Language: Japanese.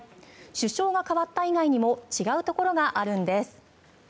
首相が代わった以外にも違うところがあるんです。